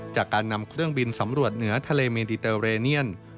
จากการนำเครื่องบินสำรวจเหนือทะเลเมนติเตอร์เรเนียน